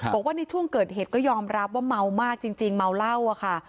บอกว่าในช่วงเกิดเหตุก็ยอมรับว่าเมามากจริงเมาเหล้าอะค่ะ